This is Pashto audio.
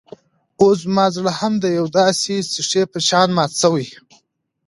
اوس زما زړه هم د همداسې يوې ښيښې په شان مات شوی.